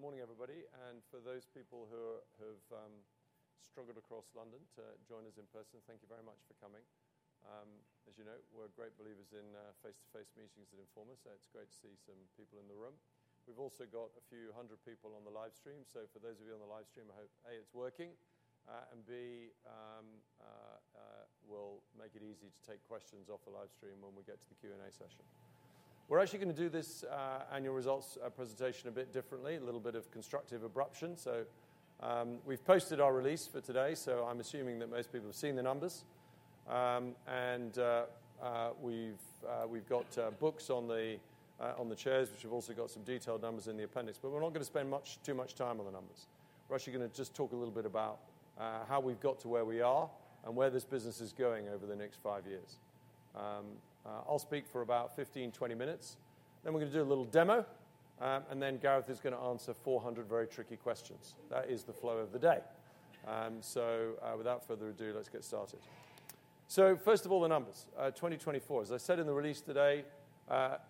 So, good morning, everybody. And for those people who have struggled across London to join us in person, thank you very much for coming. As you know, we're great believers in face-to-face meetings that inform us, so it's great to see some people in the room. We've also got a few hundred people on the livestream, so for those of you on the livestream, I hope A, it's working, and B, we'll make it easy to take questions off the livestream when we get to the Q&A session. We're actually gonna do this annual results presentation a bit differently, a little bit of constructive disruption. So, we've posted our release for today, so I'm assuming that most people have seen the numbers. We've got books on the chairs, which have also got some detailed numbers in the appendix, but we're not gonna spend too much time on the numbers. We're actually gonna just talk a little bit about how we've got to where we are and where this business is going over the next five years. I'll speak for about 15-20 minutes. Then we're gonna do a little demo, and then Gareth is gonna answer 400 very tricky questions. That is the flow of the day. Without further ado, let's get started. First of all, the numbers. 2024, as I said in the release today,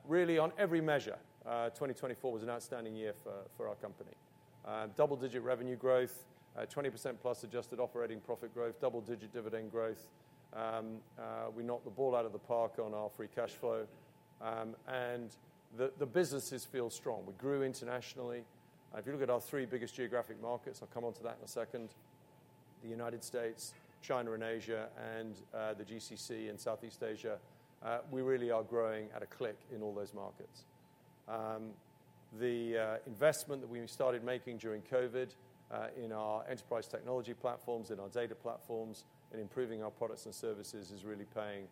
really on every measure, 2024 was an outstanding year for our company. Double-digit revenue growth, 20%-plus Adjusted Operating Profit growth, double-digit dividend growth. We knocked the ball out of the park on our Free Cash Flow. And the businesses feel strong. We grew internationally. If you look at our three biggest geographic markets, I'll come onto that in a second, the United States, China and Asia, and the GCC in Southeast Asia, we really are growing at a clip in all those markets. The investment that we started making during COVID, in our enterprise technology platforms, in our data platforms, in improving our products and services is really paying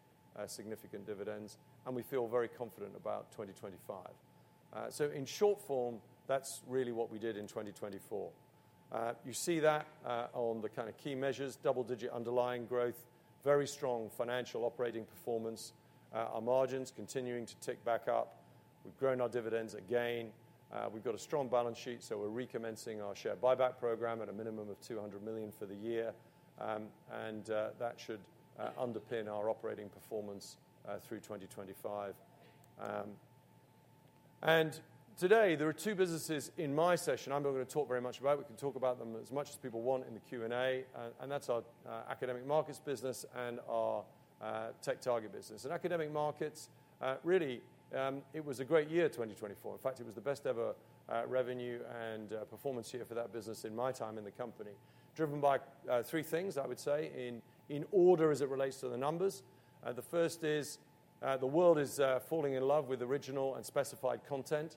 significant dividends, and we feel very confident about 2025. In short-form, that's really what we did in 2024. You see that on the kind of key measures, double-digit underlying growth, very strong financial operating performance. Our margins continuing to tick back up. We've grown our dividends again. We've got a strong balance sheet, so we're recommencing our share buyback program at a minimum of 200 million for the year. That should underpin our operating performance through 2025. Today, there are two businesses in my session I'm not gonna talk very much about. We can talk about them as much as people want in the Q&A. That's our academic markets business and our TechTarget business. Academic markets really had a great year, 2024. In fact, it was the best ever revenue and performance year for that business in my time in the company, driven by three things, I would say, in order as it relates to the numbers. The first is the world is falling in love with original and specified content,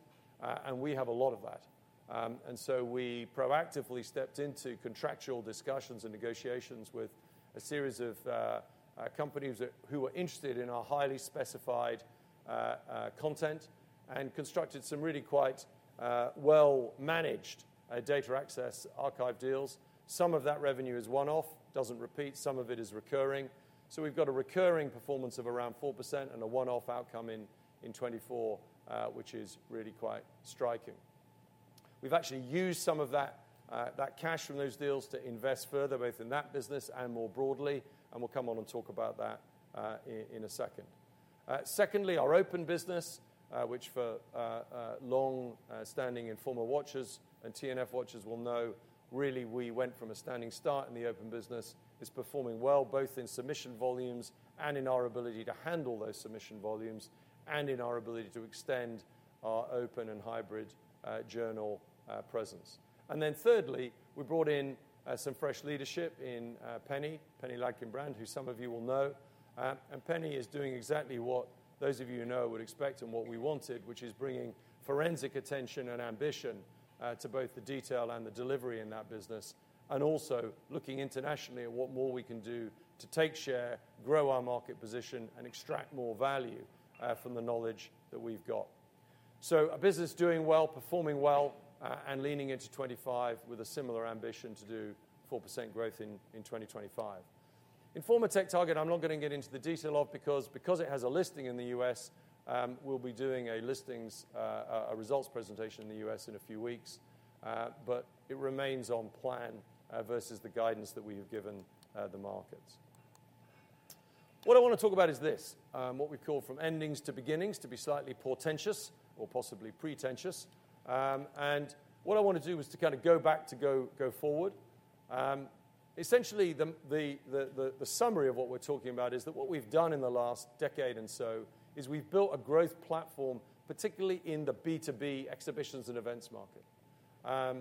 and we have a lot of that. So we proactively stepped into contractual discussions and negotiations with a series of companies who were interested in our highly specified content and constructed some really quite well-managed data access archive deals. Some of that revenue is one-off, doesn't repeat. Some of it is recurring. So we've got a recurring performance of around 4% and a one-off outcome in 2024, which is really quite striking. We've actually used some of that cash from those deals to invest further, both in that business and more broadly, and we'll come on and talk about that in a second. Secondly, our open business, which for long-standing Informa watchers and T&F watchers will know, really, we went from a standing start in the open business. It's performing well, both in submission volumes and in our ability to handle those submission volumes and in our ability to extend our open and hybrid journal presence. And then thirdly, we brought in some fresh leadership in Penny Ladkin-Brand, who some of you will know. And Penny is doing exactly what those of you who know would expect and what we wanted, which is bringing forensic attention and ambition to both the detail and the delivery in that business, and also looking internationally at what more we can do to take share, grow our market position, and extract more value from the knowledge that we've got. So a business doing well, performing well, and leaning into 2025 with a similar ambition to do 4% growth in 2025. Informa TechTarget, I'm not gonna get into the detail of because it has a listing in the U.S., we'll be doing a listing's results presentation in the U.S. in a few weeks. But it remains on plan versus the guidance that we have given, the markets. What I wanna talk about is this, what we call from endings to beginnings, to be slightly portentous or possibly pretentious, and what I wanna do is to kinda go back to go forward. Essentially, the summary of what we're talking about is that what we've done in the last decade and so is we've built a growth platform, particularly in the B2B exhibitions and events market,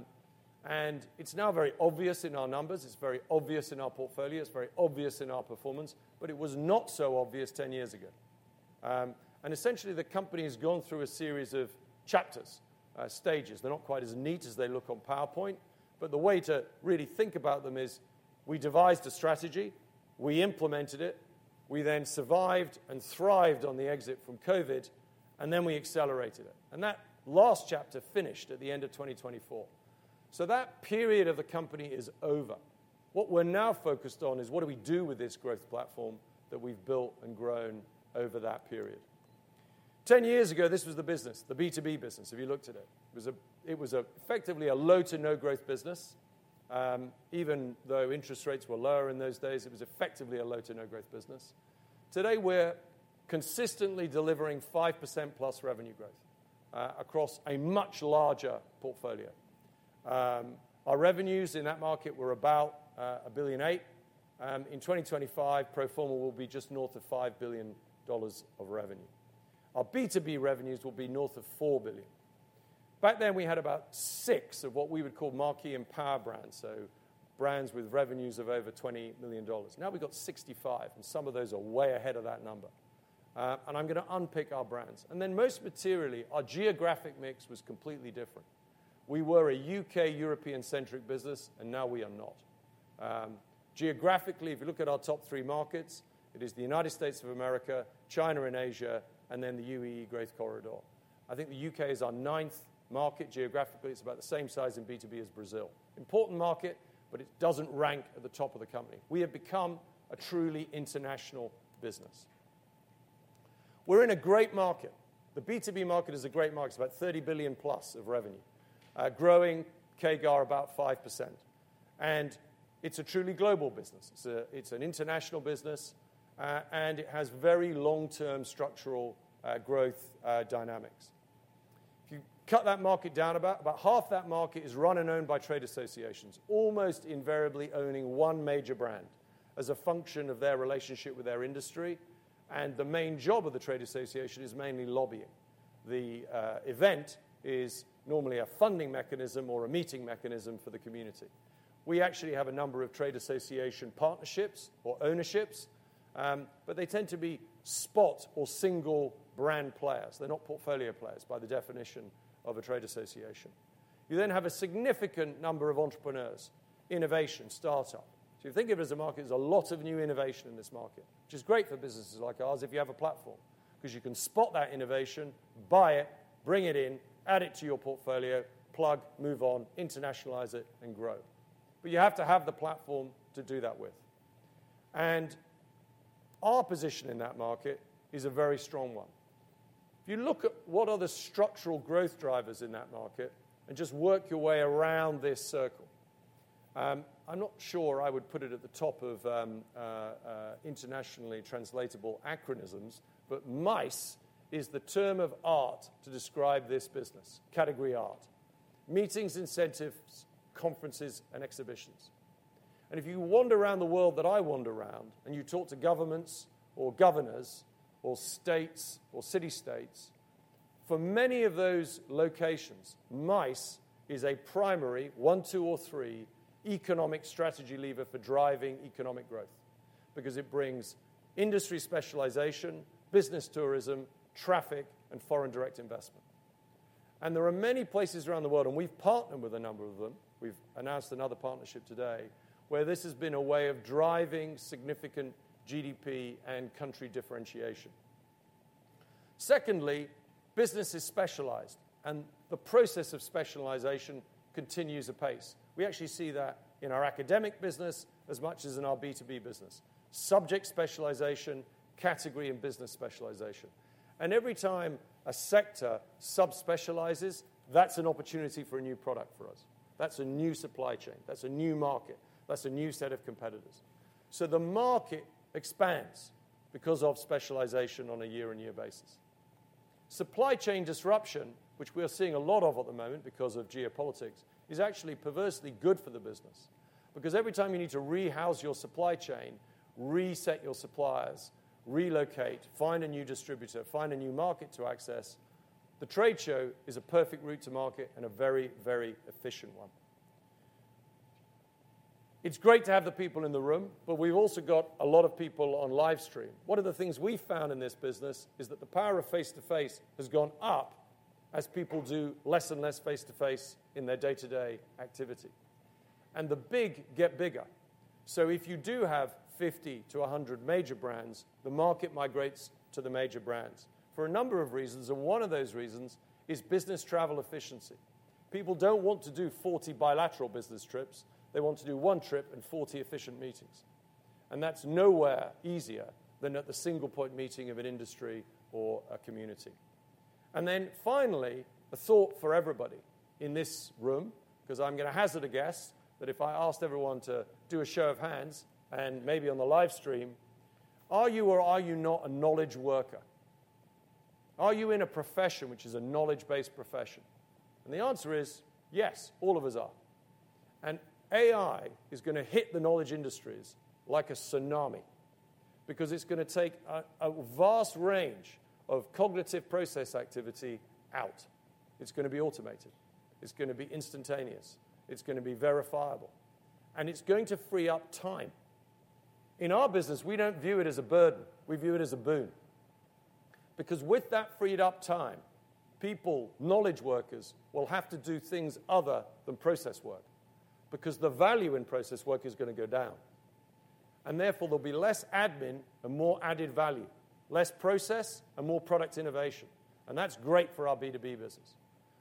and it's now very obvious in our numbers. It's very obvious in our portfolio. It's very obvious in our performance, but it was not so obvious 10 years ago, and essentially, the company has gone through a series of chapters, stages. They're not quite as neat as they look on PowerPoint, but the way to really think about them is we devised a strategy, we implemented it, we then survived and thrived on the exit from COVID, and then we accelerated it. And that last chapter finished at the end of 2024. So that period of the company is over. What we're now focused on is what do we do with this growth platform that we've built and grown over that period. 10 years ago, this was the business, the B2B business. If you looked at it, it was effectively a low-to-no-growth business. Even though interest rates were lower in those days, it was effectively a low-to-no-growth business. Today, we're consistently delivering 5%+ revenue growth across a much larger portfolio. Our revenues in that market were about a billion eight. In 2025, pro forma will be just north of $5 billion of revenue. Our B2B revenues will be north of $4 billion. Back then, we had about six of what we would call marquee and power brands, so brands with revenues of over $20 million. Now we've got 65, and some of those are way ahead of that number. And I'm gonna unpick our brands. And then most materially, our geographic mix was completely different. We were a UK-European-centric business, and now we are not. Geographically, if you look at our top three markets, it is the United States of America, China and Asia, and then the UAE Growth Corridor. I think the U.K. is our ninth market geographically. It's about the same size in B2B as Brazil. Important market, but it doesn't rank at the top of the company. We have become a truly international business. We're in a great market. The B2B market is a great market. It's about 30 billion-plus of revenue, growing CAGR about 5%, and it's a truly global business. It's a, it's an international business, and it has very long-term structural, growth, dynamics. If you cut that market down, about half that market is run and owned by trade associations, almost invariably owning one major brand as a function of their relationship with their industry. And the main job of the trade association is mainly lobbying. The event is normally a funding mechanism or a meeting mechanism for the community. We actually have a number of trade association partnerships or ownerships, but they tend to be spot or single brand players. They're not portfolio players by the definition of a trade association. You then have a significant number of entrepreneurs, innovation, startup. So you think of it as a market, there's a lot of new innovation in this market, which is great for businesses like ours if you have a platform, 'cause you can spot that innovation, buy it, bring it in, add it to your portfolio, plug, move on, internationalize it, and grow. But you have to have the platform to do that with. And our position in that market is a very strong one. If you look at what are the structural growth drivers in that market and just work your way around this circle, I'm not sure I would put it at the top of internationally translatable acronyms, but MICE is the term of art to describe this business; Meetings, Incentives, Conferences, and Exhibitions. If you wander around the world that I wander around and you talk to governments or governors or states or city-states, for many of those locations, MICE is a primary one, two, or three economic strategy lever for driving economic growth because it brings industry specialization, business tourism, traffic, and foreign direct investment. There are many places around the world, and we've partnered with a number of them. We've announced another partnership today where this has been a way of driving significant GDP and country differentiation. Secondly, business is specialized, and the process of specialization continues apace. We actually see that in our academic business as much as in our B2B business, subject specialization, category, and business specialization. Every time a sector subspecializes, that's an opportunity for a new product for us. That's a new supply chain. That's a new market. That's a new set of competitors. So the market expands because of specialization on a year-on-year basis. Supply chain disruption, which we are seeing a lot of at the moment because of geopolitics, is actually perversely good for the business because every time you need to rehouse your supply chain, reset your suppliers, relocate, find a new distributor, find a new market to access, the trade show is a perfect route to market and a very, very efficient one. It's great to have the people in the room, but we've also got a lot of people on livestream. One of the things we've found in this business is that the power of face-to-face has gone up as people do less and less face-to-face in their day-to-day activity. And the big get bigger. So if you do have 50 to 100 major brands, the market migrates to the major brands for a number of reasons. And one of those reasons is business travel efficiency. People don't want to do 40 bilateral business trips. They want to do one trip and 40 efficient meetings. And that's nowhere easier than at the single-point meeting of an industry or a community. And then finally, a thought for everybody in this room, 'cause I'm gonna hazard a guess that if I asked everyone to do a show of hands and maybe on the livestream, are you or are you not a knowledge worker? Are you in a profession which is a knowledge-based profession? And the answer is yes, all of us are. And AI is gonna hit the knowledge industries like a tsunami because it's gonna take a vast range of cognitive process activity out. It's gonna be automated. It's gonna be instantaneous. It's gonna be verifiable. And it's going to free up time. In our business, we don't view it as a burden. We view it as a boon because with that freed up time, people, knowledge workers will have to do things other than process work because the value in process work is gonna go down. And therefore, there'll be less admin and more added value, less process and more product innovation. And that's great for our B2B business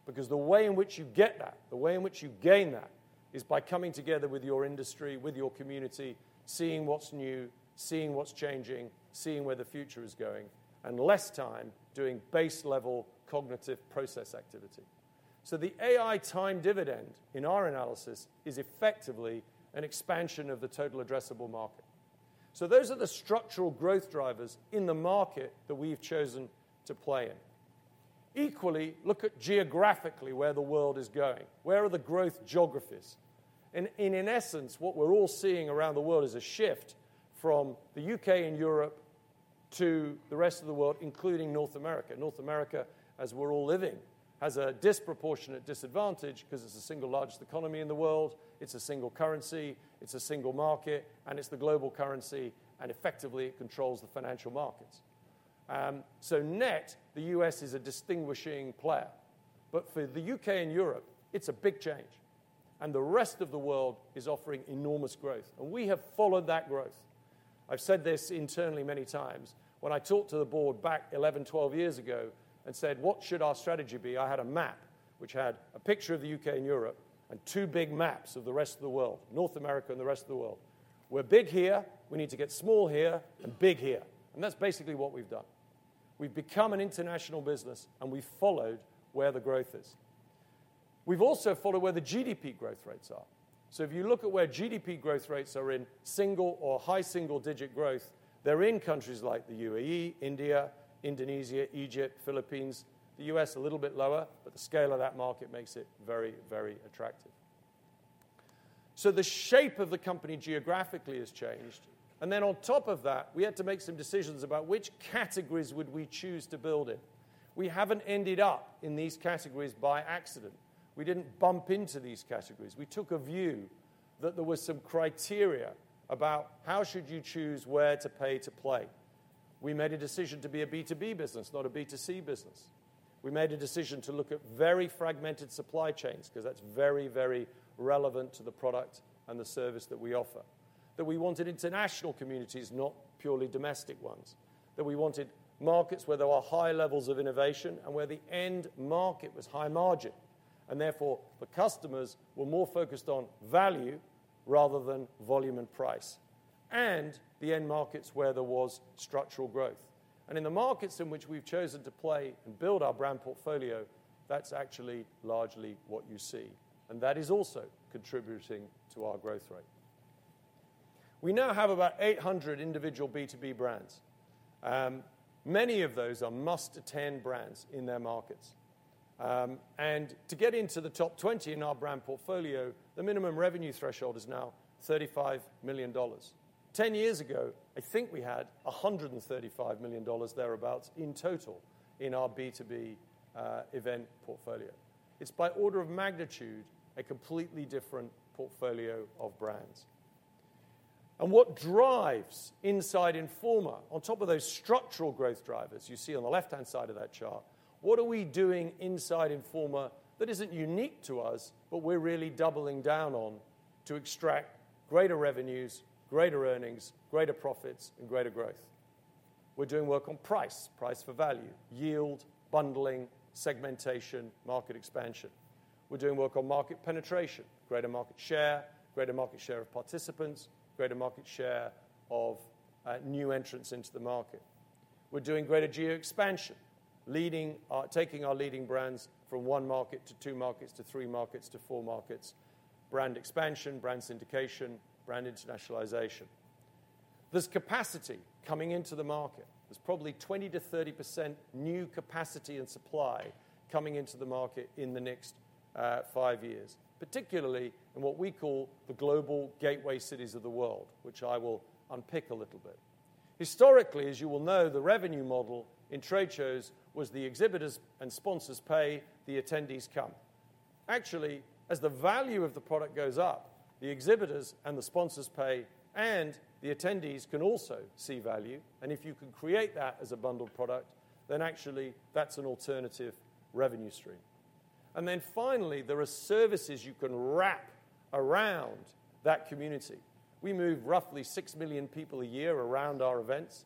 because the way in which you get that, the way in which you gain that is by coming together with your industry, with your community, seeing what's new, seeing what's changing, seeing where the future is going, and less time doing base-level cognitive process activity. So the AI time dividend in our analysis is effectively an expansion of the total addressable market. So those are the structural growth drivers in the market that we've chosen to play in. Equally, look at geographically where the world is going. Where are the growth geographies? And in essence, what we're all seeing around the world is a shift from the U.K. and Europe to the rest of the world, including North America. North America, as we're all living, has a disproportionate disadvantage 'cause it's a single largest economy in the world. It's a single currency. It's a single market, and it's the global currency. And effectively, it controls the financial markets. So net, the U.S. is a distinguishing player. But for the U.K. and Europe, it's a big change. And the rest of the world is offering enormous growth. And we have followed that growth. I've said this internally many times. When I talked to the board back 11, 12 years ago and said, "What should our strategy be?" I had a map which had a picture of the U.K. and Europe and two big maps of the rest of the world, North America and the rest of the world. We're big here. We need to get small here and big here. And that's basically what we've done. We've become an international business, and we've followed where the growth is. We've also followed where the GDP growth rates are. So if you look at where GDP growth rates are in single or high single-digit growth, they're in countries like the UAE, India, Indonesia, Egypt, Philippines. The U.S. a little bit lower, but the scale of that market makes it very, very attractive. So the shape of the company geographically has changed. And then on top of that, we had to make some decisions about which categories would we choose to build in. We haven't ended up in these categories by accident. We didn't bump into these categories. We took a view that there were some criteria about how should you choose where to pay to play. We made a decision to be a B2B business, not a B2C business. We made a decision to look at very fragmented supply chains 'cause that's very, very relevant to the product and the service that we offer, that we wanted international communities, not purely domestic ones, that we wanted markets where there were high levels of innovation and where the end market was high margin. And therefore, the customers were more focused on value rather than volume and price and the end markets where there was structural growth. And in the markets in which we've chosen to play and build our brand portfolio, that's actually largely what you see. And that is also contributing to our growth rate. We now have about 800 individual B2B brands. Many of those are must-attend brands in their markets. And to get into the top 20 in our brand portfolio, the minimum revenue threshold is now $35 million. 10 years ago, I think we had $135 million thereabouts in total in our B2B event portfolio. It's by order of magnitude a completely different portfolio of brands. And what drives inside Informa, on top of those structural growth drivers you see on the left-hand side of that chart, what are we doing inside Informa that isn't unique to us, but we're really doubling down on to extract greater revenues, greater earnings, greater profits, and greater growth. We're doing work on price, price for value, yield, bundling, segmentation, market expansion. We're doing work on market penetration, greater market share, greater market share of participants, greater market share of, new entrants into the market. We're doing greater geo-expansion, leading, taking our leading brands from one market to two markets to three markets to four markets, brand expansion, brand syndication, brand internationalization. There's capacity coming into the market. There's probably 20%-30% new capacity and supply coming into the market in the next, five years, particularly in what we call the global gateway cities of the world, which I will unpick a little bit. Historically, as you will know, the revenue model in trade shows was the exhibitors and sponsors pay, the attendees come. Actually, as the value of the product goes up, the exhibitors and the sponsors pay and the attendees can also see value. And if you can create that as a bundled product, then actually that's an alternative revenue stream. And then finally, there are services you can wrap around that community. We move roughly six million people a year around our events.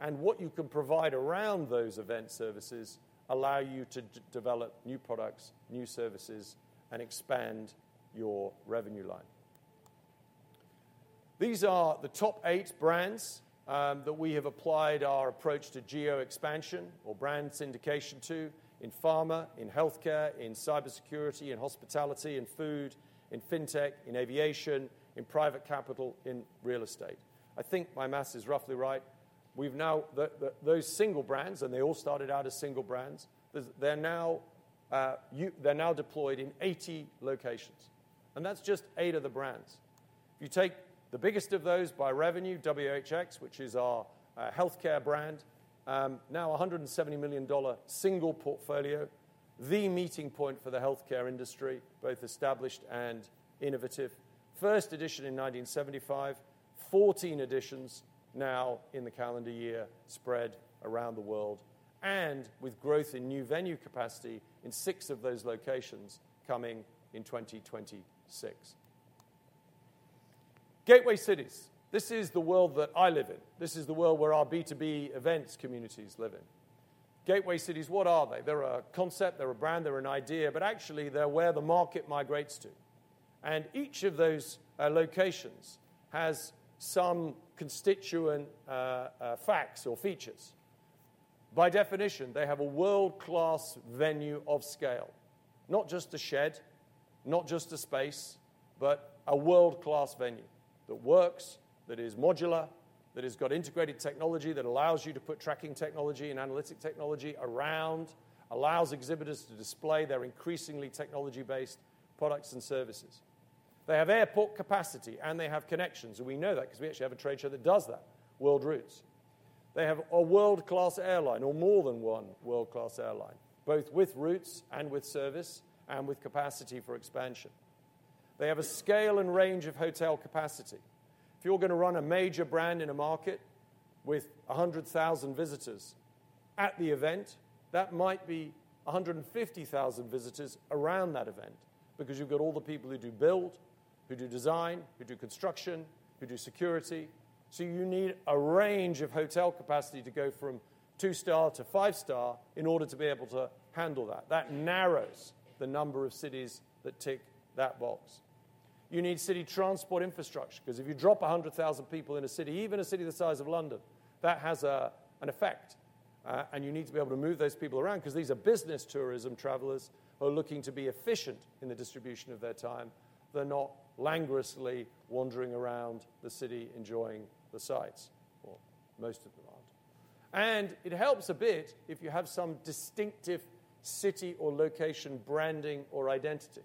And what you can provide around those event services allows you to develop new products, new services, and expand your revenue line. These are the top eight brands that we have applied our approach to geo-expansion or brand syndication to in pharma, in healthcare, in cybersecurity, in hospitality, in food, in fintech, in aviation, in private capital, in real estate. I think my math is roughly right. We've now those single brands, and they all started out as single brands. They're now deployed in 80 locations. And that's just eight of the brands. If you take the biggest of those by revenue, WHX, which is our healthcare brand, now $170 million single portfolio, the meeting point for the healthcare industry, both established and innovative, first edition in 1975, 14 editions now in the calendar year spread around the world, and with growth in new venue capacity in six of those locations coming in 2026. Gateway Cities, this is the world that I live in. This is the world where our B2B events communities live in. Gateway Cities, what are they? They're a concept. They're a brand. They're an idea. But actually, they're where the market migrates to. And each of those locations has some constituent facts or features. By definition, they have a world-class venue of scale, not just a shed, not just a space, but a world-class venue that works, that is modular, that has got integrated technology that allows you to put tracking technology and analytic technology around, allows exhibitors to display their increasingly technology-based products and services. They have airport capacity, and they have connections. And we know that 'cause we actually have a trade show that does that, World Routes. They have a world-class airline or more than one world-class airline, both with routes and with service and with capacity for expansion. They have a scale and range of hotel capacity. If you're gonna run a major brand in a market with 100,000 visitors at the event, that might be 150,000 visitors around that event because you've got all the people who do build, who do design, who do construction, who do security. So you need a range of hotel capacity to go from two-star to five-star in order to be able to handle that. That narrows the number of cities that tick that box. You need city transport infrastructure 'cause if you drop 100,000 people in a city, even a city the size of London, that has an effect. And you need to be able to move those people around 'cause these are business tourism travelers who are looking to be efficient in the distribution of their time. They're not languorously wandering around the city enjoying the sights, or most of them aren't. And it helps a bit if you have some distinctive city or location branding or identity.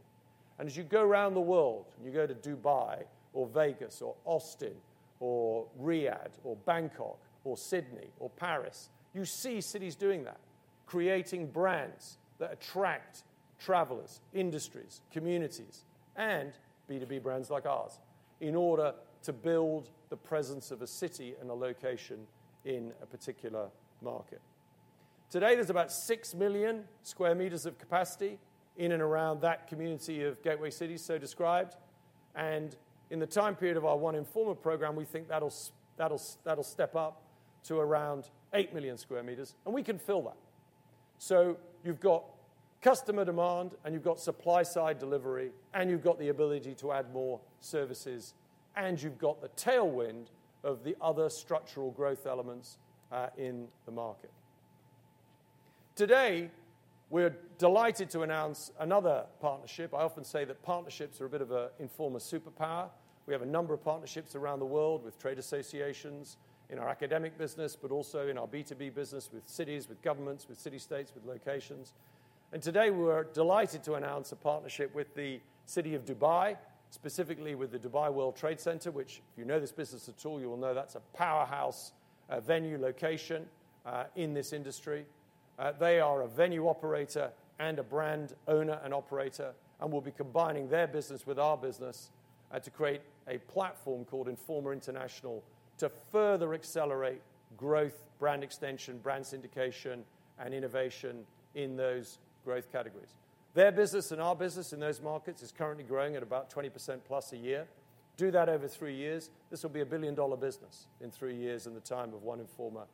As you go around the world and you go to Dubai or Vegas or Austin or Riyadh or Bangkok or Sydney or Paris, you see cities doing that, creating brands that attract travelers, industries, communities, and B2B brands like ours in order to build the presence of a city and a location in a particular market. Today, there's about 6 million sq m of capacity in and around that community of gateway cities so described. In the time period of our One Informa program, we think that'll step up to around 8 million sq m. We can fill that. You've got customer demand, and you've got supply-side delivery, and you've got the ability to add more services, and you've got the tailwind of the other structural growth elements in the market. Today, we're delighted to announce another partnership. I often say that partnerships are a bit of an Informa superpower. We have a number of partnerships around the world with trade associations in our academic business, but also in our B2B business with cities, with governments, with city-states, with locations. And today, we're delighted to announce a partnership with the city of Dubai, specifically with the Dubai World Trade Centre, which, if you know this business at all, you'll know that's a powerhouse, venue location, in this industry. They are a venue operator and a brand owner and operator and will be combining their business with our business, to create a platform called Informa International to further accelerate growth, brand extension, brand syndication, and innovation in those growth categories. Their business and our business in those markets is currently growing at about 20%+ a year. Do that over three years. This will be a billion-dollar business in three years in the time of One Informa,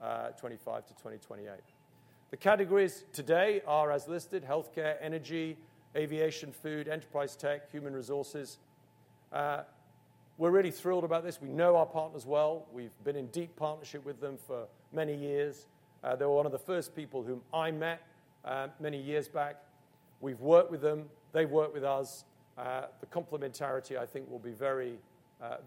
2025 to 2028. The categories today are, as listed, healthcare, energy, aviation, food, enterprise tech, human resources. We're really thrilled about this. We know our partners well. We've been in deep partnership with them for many years. They were one of the first people whom I met, many years back. We've worked with them. They've worked with us. The complementarity, I think, will be very,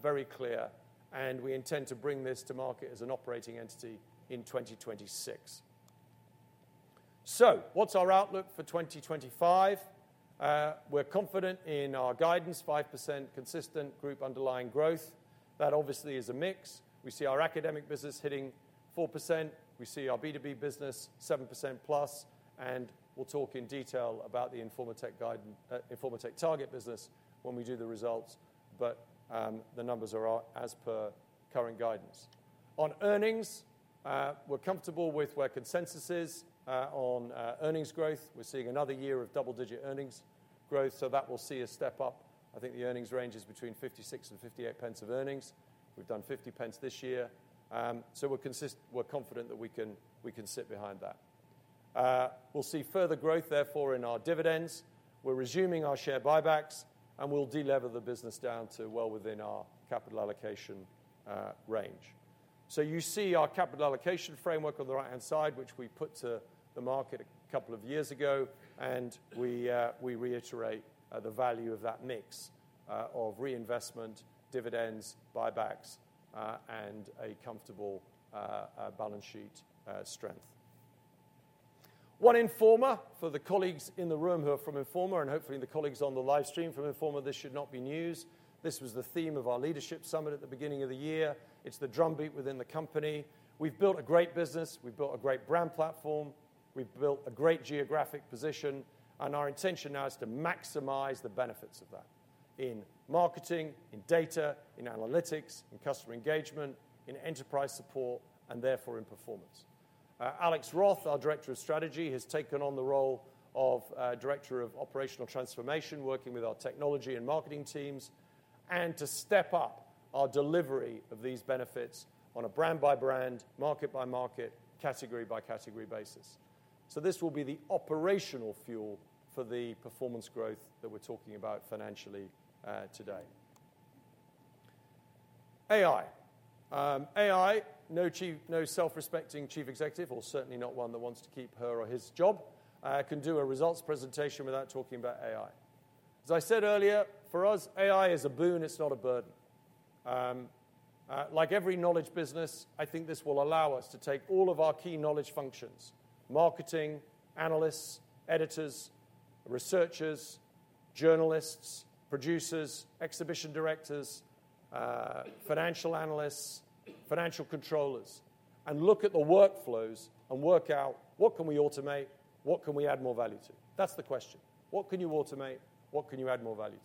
very clear. And we intend to bring this to market as an operating entity in 2026. So what's our outlook for 2025? We're confident in our guidance, 5% consistent group underlying growth. That obviously is a mix. We see our academic business hitting 4%. We see our B2B business 7%+. And we'll talk in detail about the Informa TechTarget business when we do the results. But the numbers are as per current guidance. On earnings, we're comfortable with where consensus is on earnings growth. We're seeing another year of double-digit earnings growth. So that will see a step up. I think the earnings range is between 0.56 and 0.58 of earnings. We've done 0.50 this year. So we're consistent. We're confident that we can sit behind that. We'll see further growth, therefore, in our dividends. We're resuming our share buybacks, and we'll delever the business down to well within our capital allocation range. So you see our capital allocation framework on the right-hand side, which we put to the market a couple of years ago. And we reiterate the value of that mix of reinvestment, dividends, buybacks, and a comfortable balance sheet strength. One Informa. For the colleagues in the room who are from Informa, and hopefully the colleagues on the livestream from Informa, this should not be news. This was the theme of our leadership summit at the beginning of the year. It's the drumbeat within the company. We've built a great business. We've built a great brand platform. We've built a great geographic position. And our intention now is to maximize the benefits of that in marketing, in data, in analytics, in customer engagement, in enterprise support, and therefore in performance. Alex Roth, our Director of Strategy, has taken on the role of Director of Operational Transformation, working with our technology and marketing teams and to step up our delivery of these benefits on a brand-by-brand, market-by-market, category-by-category basis, so this will be the operational fuel for the performance growth that we're talking about financially, today. AI, no chief, no self-respecting chief executive, or certainly not one that wants to keep her or his job, can do a results presentation without talking about AI. As I said earlier, for us, AI is a boon. It's not a burden. Like every knowledge business, I think this will allow us to take all of our key knowledge functions: marketing, analysts, editors, researchers, journalists, producers, exhibition directors, financial analysts, financial controllers, and look at the workflows and work out what can we automate, what can we add more value to. That's the question. What can you automate? What can you add more value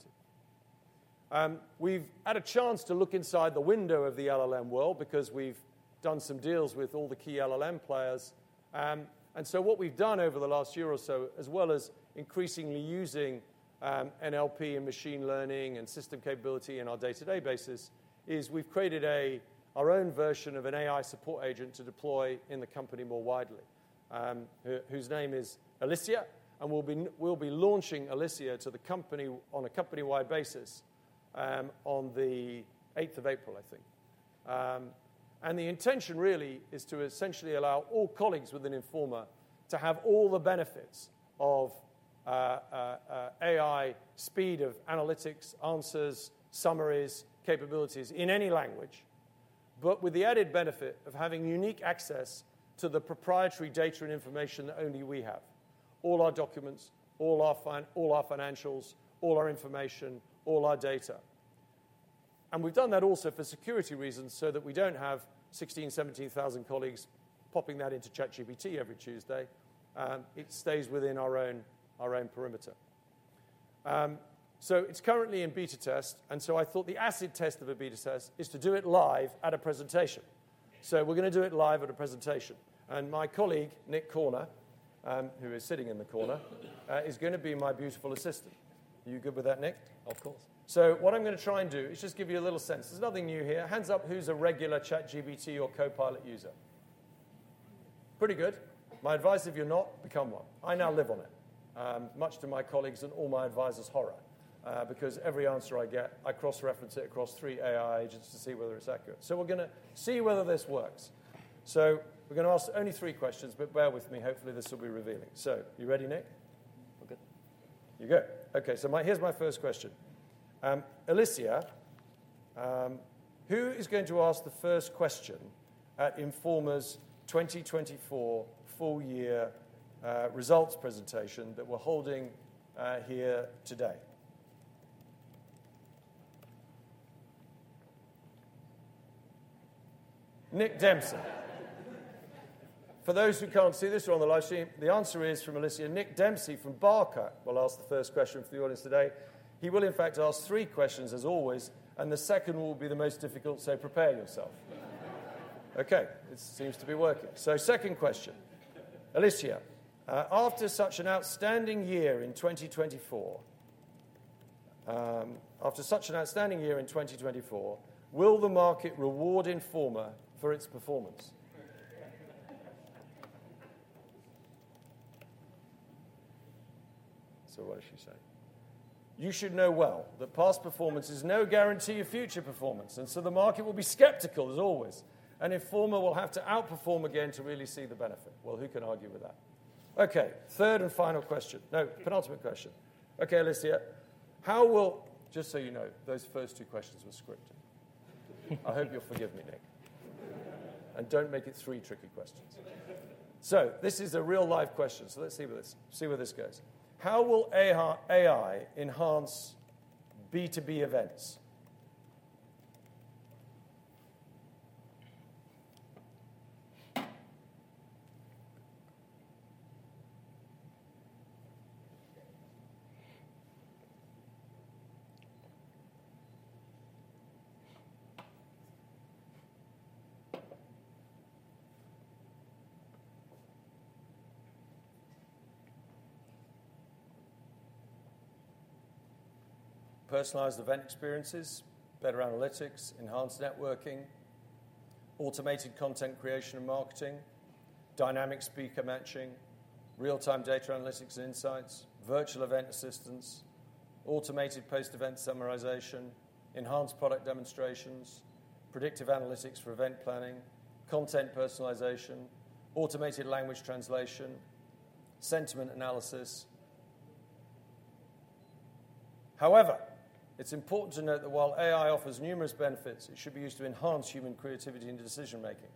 to? We've had a chance to look inside the window of the LLM world because we've done some deals with all the key LLM players. And so what we've done over the last year or so, as well as increasingly using NLP and machine learning and system capability on a day-to-day basis, is we've created our own version of an AI support agent to deploy in the company more widely, whose name is Alicia. And we'll be launching Alicia to the company on a company-wide basis, on the 8th of April, I think. And the intention really is to essentially allow all colleagues within Informa to have all the benefits of AI speed of analytics, answers, summaries, capabilities in any language, but with the added benefit of having unique access to the proprietary data and information that only we have: all our documents, all our financials, all our information, all our data. And we've done that also for security reasons so that we don't have 16,000-17,000 colleagues popping that into ChatGPT every Tuesday. It stays within our own perimeter. So it's currently in beta test. And so I thought the acid test of a beta test is to do it live at a presentation. So we're gonna do it live at a presentation. And my colleague, Nick Corner, who is sitting in the corner, is gonna be my beautiful assistant. Are you good with that, Nick? Of course. So what I'm gonna try and do is just give you a little sense. There's nothing new here. Hands up who's a regular ChatGPT or Copilot user. Pretty good. My advice, if you're not, become one. I now live on it, much to my colleagues and all my advisors' horror, because every answer I get, I cross-reference it across three AI agents to see whether it's accurate. So we're gonna see whether this works. So we're gonna ask only three questions, but bear with me. Hopefully, this will be revealing. So you ready, Nick? We're good. You good? Okay. So my, here's my first question. Alicia, who is going to ask the first question at Informa's 2024 full-year results presentation that we're holding here today? Nick Dempsey. For those who can't see this or on the livestream, the answer is from Alicia. Nick Dempsey from Barclays will ask the first question for the audience today. He will, in fact, ask three questions, as always, and the second will be the most difficult, so prepare yourself. Okay. This seems to be working. So second question, Alicia, after such an outstanding year in 2024, will the market reward Informa for its performance? You should know well that past performance is no guarantee of future performance. And so the market will be skeptical, as always, and Informa will have to outperform again to really see the benefit. Well, who can argue with that? Okay. Third and final question. No, penultimate question. Okay, Alicia, how will, just so you know, those first two questions were scripted. I hope you'll forgive me, Nick, and don't make it three tricky questions. So this is a real-life question. So let's see where this goes. How will AI enhance B2B events? Personalized event experiences, better analytics, enhanced networking, automated content creation and marketing, dynamic speaker matching, real-time data analytics and insights, virtual event assistance, automated post-event summarization, enhanced product demonstrations, predictive analytics for event planning, content personalization, automated language translation, sentiment analysis. However, it's important to note that while AI offers numerous benefits, it should be used to enhance human creativity and decision-making.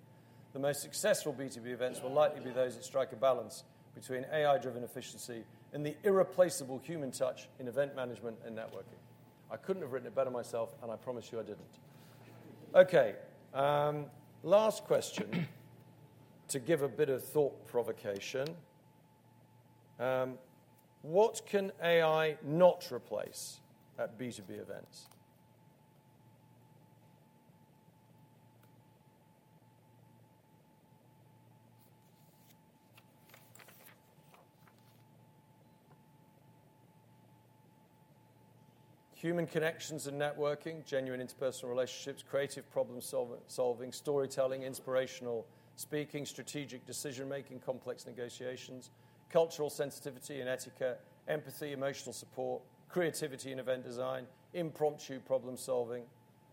The most successful B2B events will likely be those that strike a balance between AI-driven efficiency and the irreplaceable human touch in event management and networking. I couldn't have written it better myself, and I promise you I didn't. Okay. Last question to give a bit of thought provocation. What can AI not replace at B2B events? Human connections and networking, genuine interpersonal relationships, creative problem-solving, storytelling, inspirational speaking, strategic decision-making, complex negotiations, cultural sensitivity and etiquette, empathy, emotional support, creativity and event design, impromptu problem-solving,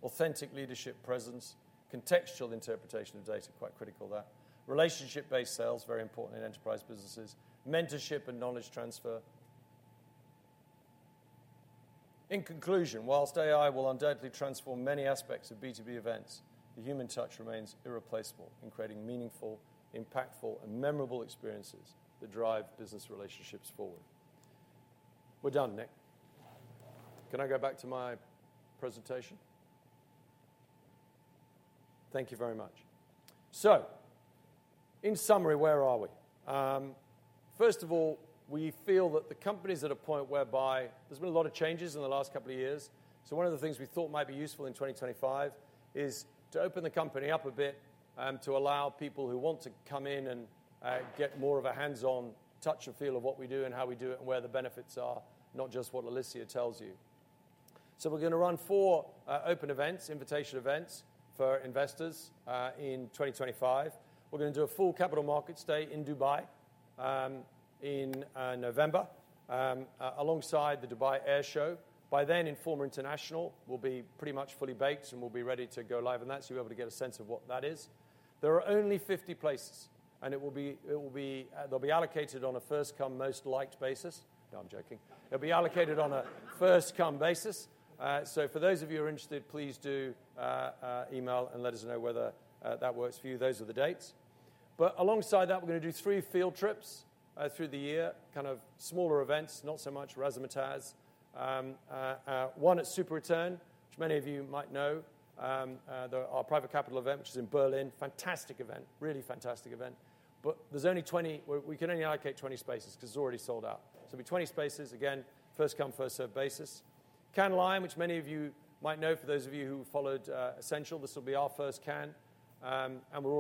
authentic leadership presence, contextual interpretation of data, quite critical of that, relationship-based sales, very important in enterprise businesses, mentorship and knowledge transfer. In conclusion, whilst AI will undoubtedly transform many aspects of B2B events, the human touch remains irreplaceable in creating meaningful, impactful, and memorable experiences that drive business relationships forward. We're done, Nick. Can I go back to my presentation? Thank you very much. So in summary, where are we? First of all, we feel that the company's at a point whereby there's been a lot of changes in the last couple of years. So one of the things we thought might be useful in 2025 is to open the company up a bit, to allow people who want to come in and get more of a hands-on touch and feel of what we do and how we do it and where the benefits are, not just what Alicia tells you. So we're gonna run four open events, invitation events for investors, in 2025. We're gonna do a full capital markets day in Dubai in November, alongside the Dubai Air Show. By then, Informa International will be pretty much fully baked and will be ready to go live. And that's you'll be able to get a sense of what that is. There are only 50 places, and it will be, they'll be allocated on a first-come, most-liked basis. No, I'm joking. It'll be allocated on a first-come basis. So, for those of you who are interested, please do email and let us know whether that works for you. Those are the dates. But alongside that, we're gonna do three field trips through the year, kind of smaller events, not so much razzmatazz. One at SuperReturn, which many of you might know, our private capital event, which is in Berlin, fantastic event, really fantastic event. But there's only 20, we can only allocate 20 spaces 'cause it's already sold out. So it'll be 20 spaces, again, first-come, first-served basis. Cannes Lions, which many of you might know for those of you who followed Ascential, this will be our first Cannes. And we're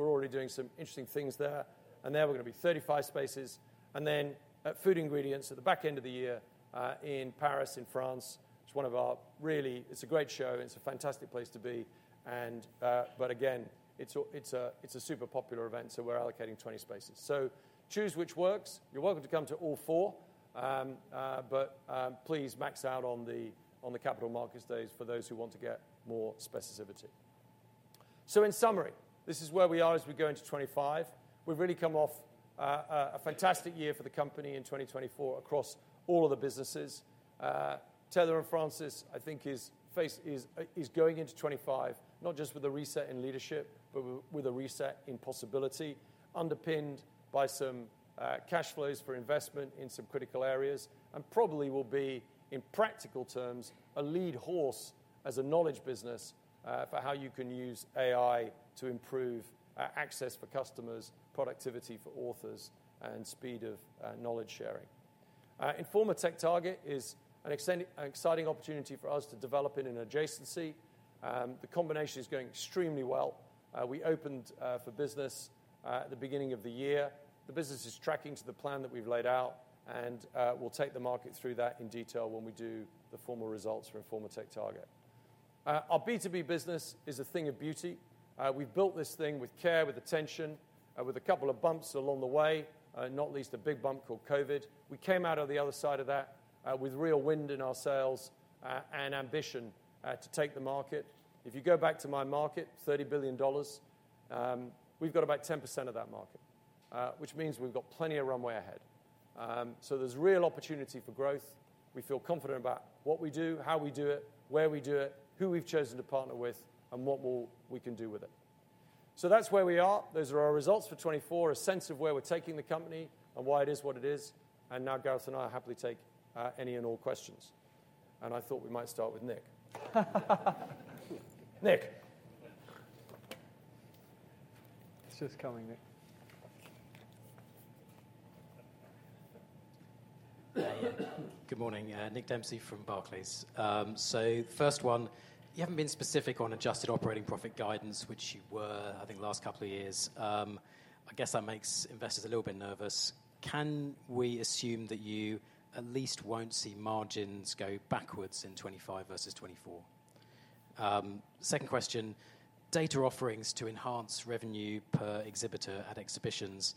already doing some interesting things there. And there we're gonna be 35 spaces. Then at Food Ingredients at the back end of the year, in Paris, in France, it's one of our really great shows and it's a fantastic place to be. But again, it's a super popular event, so we're allocating 20 spaces. Choose which works. You're welcome to come to all four, but please max out on the capital markets days for those who want to get more specificity. In summary, this is where we are as we go into 2025. We've really come off a fantastic year for the company in 2024 across all of the businesses. Taylor & Francis, I think is going into 2025, not just with a reset in leadership, but with a reset in possibility, underpinned by some cash flows for investment in some critical areas, and probably will be, in practical terms, a lead horse as a knowledge business, for how you can use AI to improve access for customers, productivity for authors, and speed of knowledge sharing. Informa TechTarget is an exciting opportunity for us to develop in an adjacency. The combination is going extremely well. We opened for business at the beginning of the year. The business is tracking to the plan that we've laid out, and we'll take the market through that in detail when we do the formal results for Informa TechTarget. Our B2B business is a thing of beauty. We've built this thing with care, with attention, with a couple of bumps along the way, not least a big bump called COVID. We came out of the other side of that, with real wind in our sails, and ambition, to take the market. If you go back to my market, $30 billion, we've got about 10% of that market, which means we've got plenty of runway ahead. So there's real opportunity for growth. We feel confident about what we do, how we do it, where we do it, who we've chosen to partner with, and what we can do with it. So that's where we are. Those are our results for 2024, a sense of where we're taking the company and why it is what it is. And now Gareth and I are happy to take any and all questions. And I thought we might start with Nick. Nick. Good morning. Nick Dempsey from Barclays. So first one, you haven't been specific on adjusted operating profit guidance, which you were, I think, last couple of years. I guess that makes investors a little bit nervous. Can we assume that you at least won't see margins go backwards in 2025 versus 2024? Second question, data offerings to enhance revenue per exhibitor at exhibitions.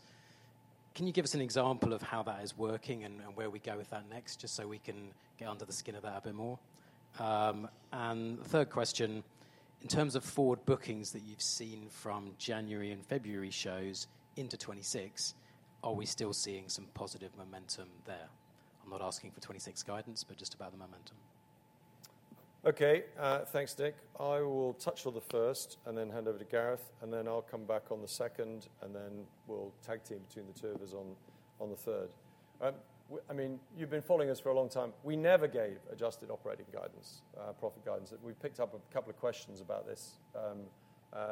Can you give us an example of how that is working and where we go with that next, just so we can get under the skin of that a bit more? And third question, in terms of forward bookings that you've seen from January and February shows into 2026, are we still seeing some positive momentum there? I'm not asking for 2026 guidance, but just about the momentum. Okay. Thanks, Nick. I will touch on the first and then hand over to Gareth, and then I'll come back on the second, and then we'll tag team between the two of us on the third. I mean, you've been following us for a long time. We never gave adjusted operating guidance, profit guidance. We've picked up a couple of questions about this,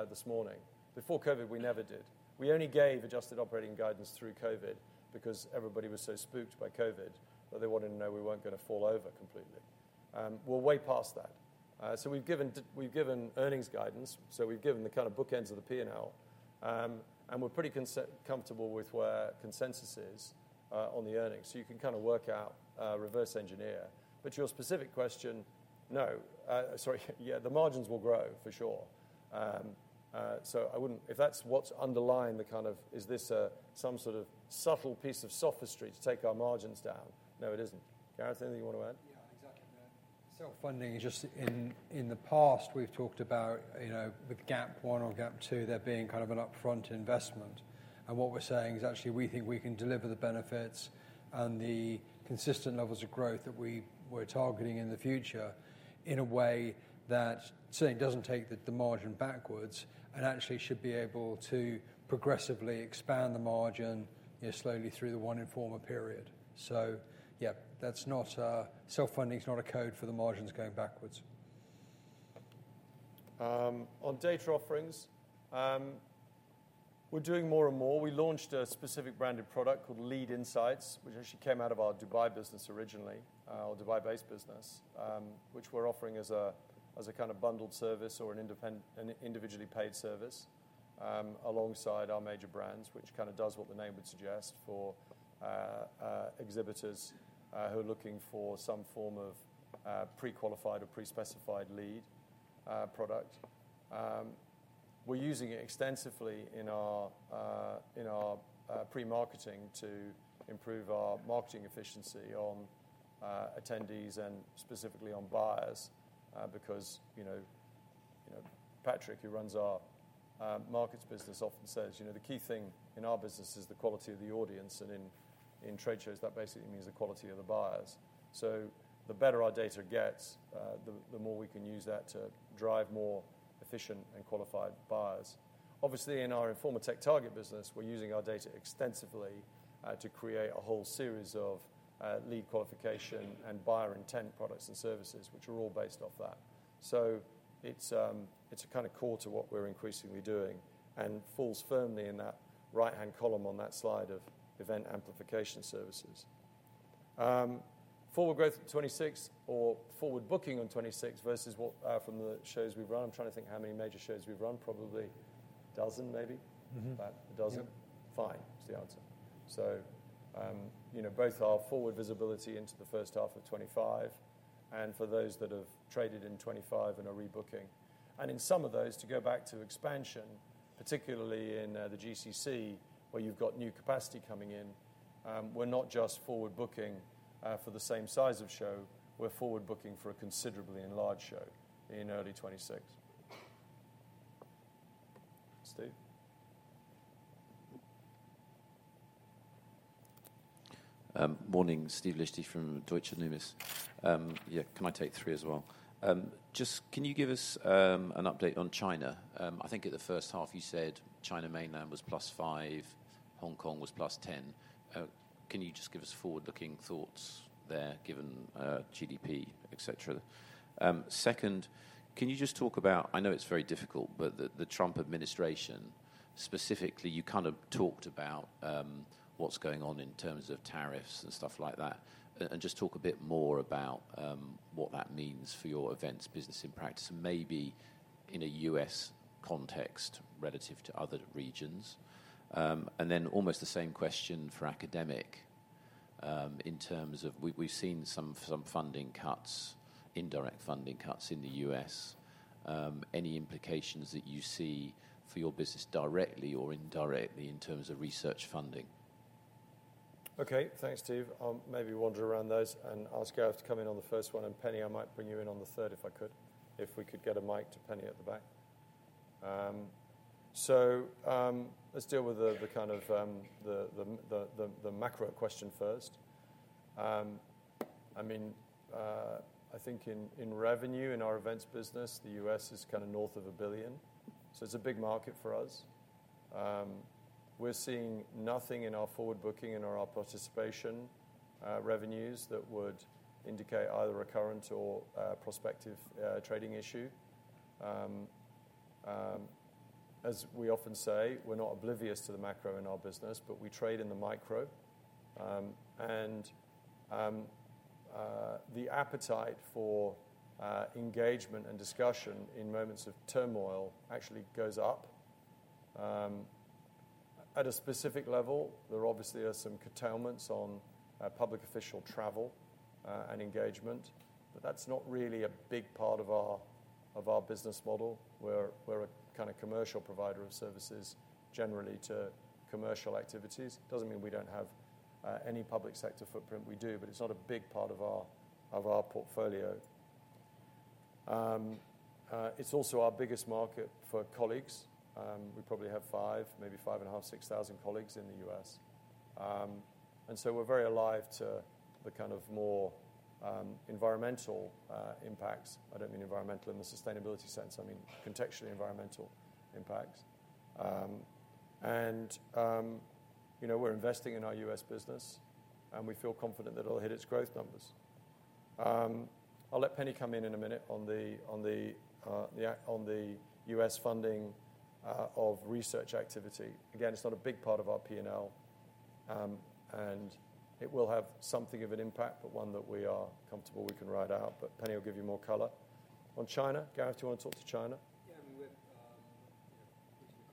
this morning. Before COVID, we never did. We only gave adjusted operating guidance through COVID because everybody was so spooked by COVID that they wanted to know we weren't gonna fall over completely. We're way past that. So we've given, we've given earnings guidance, so we've given the kind of bookends of the P&L, and we're pretty comfortable with where consensus is, on the earnings. So you can kind of work out, reverse engineer. But your specific question, no, sorry, yeah, the margins will grow for sure. So I wouldn't, if that's what's underlying the kind of, is this some sort of subtle piece of sophistry to take our margins down? No, it isn't. Gareth, anything you wanna add? Yeah, exactly. So funding is just in the past, we've talked about, you know, with GAP I or GAP II, there being kind of an upfront investment. And what we're saying is actually we think we can deliver the benefits and the consistent levels of growth that we were targeting in the future in a way that certainly doesn't take the margin backwards and actually should be able to progressively expand the margin, you know, slowly through the one- and forward period. So yeah, that's not, self-funding's not a code for the margins going backwards. On data offerings, we're doing more and more. We launched a specific branded product called Lead Insights, which actually came out of our Dubai business originally, our Dubai-based business, which we're offering as a kind of bundled service or an independent, individually paid service, alongside our major brands, which kind of does what the name would suggest for exhibitors, who are looking for some form of pre-qualified or pre-specified lead product. We're using it extensively in our pre-marketing to improve our marketing efficiency on attendees and specifically on buyers, because, you know, Patrick, who runs our markets business, often says, you know, the key thing in our business is the quality of the audience. And in trade shows, that basically means the quality of the buyers. So the better our data gets, the more we can use that to drive more efficient and qualified buyers. Obviously, in our Informa TechTarget business, we're using our data extensively, to create a whole series of, lead qualification and buyer intent products and services, which are all based off that. So it's a kind of core to what we're increasingly doing and falls firmly in that right-hand column on that slide of event amplification services. Forward growth 2026 or forward booking on 2026 versus what, from the shows we've run? I'm trying to think how many major shows we've run, probably a dozen, maybe. About a dozen. Five is the answer. So, you know, both our forward visibility into the first half of 2025 and for those that have traded in 2025 and are rebooking. And in some of those, to go back to expansion, particularly in the GCC, where you've got new capacity coming in, we're not just forward booking for the same size of show, we're forward booking for a considerably enlarged show in early 2026. Steve? Morning, Steve Liechti from Deutsche Numis. Yeah, can I take three as well? Just, can you give us an update on China? I think at the first half you said China mainland was +5%, Hong Kong was +10%. Can you just give us forward-looking thoughts there given GDP, et cetera? Second, can you just talk about, I know it's very difficult, but the Trump administration specifically, you kind of talked about what's going on in terms of tariffs and stuff like that. Just talk a bit more about what that means for your events business in practice, and maybe in a U.S. context relative to other regions. And then almost the same question for academic, in terms of we've seen some funding cuts, indirect funding cuts in the U.S. Any implications that you see for your business directly or indirectly in terms of research funding? Okay. Thanks, Steve. I'll maybe wander around those and ask Gareth to come in on the first one. And Penny, I might bring you in on the third if I could, if we could get a mic to Penny at the back. So, let's deal with the kind of macro question first. I mean, I think in revenue in our events business, the US is kind of north of $1 billion. So it's a big market for us. We're seeing nothing in our forward booking and our participation revenues that would indicate either a current or prospective trading issue. As we often say, we're not oblivious to the macro in our business, but we trade in the micro. And the appetite for engagement and discussion in moments of turmoil actually goes up. At a specific level, there obviously are some curtailments on public official travel and engagement, but that's not really a big part of our business model. We're a kind of commercial provider of services generally to commercial activities. Doesn't mean we don't have any public sector footprint. We do, but it's not a big part of our portfolio. It's also our biggest market for colleagues. We probably have five, maybe five and a half, six thousand colleagues in the U.S. And so we're very alive to the kind of more environmental impacts. I don't mean environmental in the sustainability sense. I mean contextually environmental impacts. You know, we're investing in our U.S. business and we feel confident that it'll hit its growth numbers. I'll let Penny come in in a minute on the U.S. funding of research activity. Again, it's not a big part of our P&L. It will have something of an impact, but one that we are comfortable we can ride out. But Penny will give you more color. On China, Gareth, do you wanna talk to China? Yeah, I mean, you know,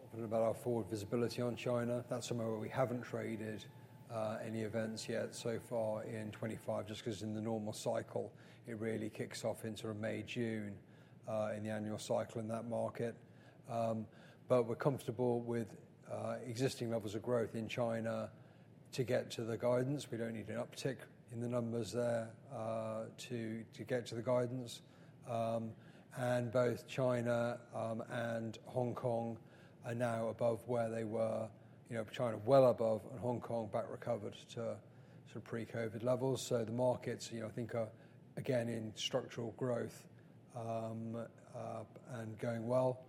we're confident about our forward visibility on China. That's somewhere where we haven't traded any events yet so far in 2025, just 'cause in the normal cycle it really kicks off into May, June, in the annual cycle in that market, but we're comfortable with existing levels of growth in China to get to the guidance. We don't need an uptick in the numbers there, to get to the guidance, and both China and Hong Kong are now above where they were, you know, China well above, and Hong Kong back recovered to sort of pre-COVID levels. The markets, you know, I think are again in structural growth and going well.